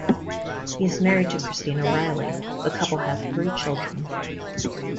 He is married to Christina Riley; the couple have three children.